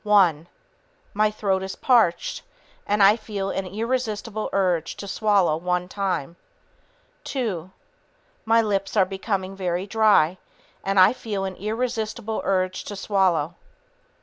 "One ... My throat is parched, and I feel an irresistible urge to swallow one time. Two ... My lips are becoming very dry, and I feel an irresistible urge to swallow.